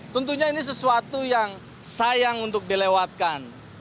tentunya ini sesuatu yang sayang untuk dilewatkan